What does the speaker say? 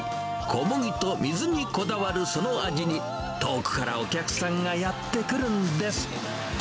小麦と水にこだわるその味に、遠くからお客さんがやって来るんです。